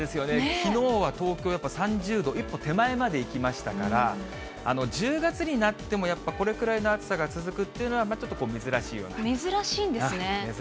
きのうは東京、やっぱり３０度一歩手前までいきましたから、１０月になってもやっぱりこれくらいの暑さが続くというのはちょ珍しいんですね。